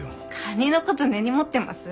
カニのこと根に持ってます？